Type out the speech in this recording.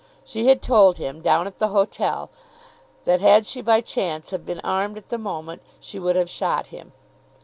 She had told him down at the hotel, that had she by chance have been armed at the moment, she would have shot him.